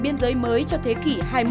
biên giới mới cho thế kỷ hai mươi một